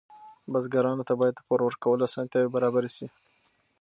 بزګرانو ته باید د پور ورکولو اسانتیاوې برابرې شي.